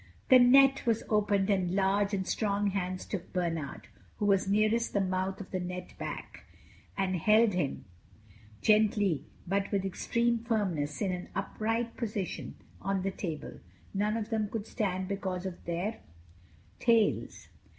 The net was opened and large and strong hands took Bernard, who was nearest the mouth of the net back, and held him gently but with extreme firmness in an upright position on the table. None of them could stand because of their tails.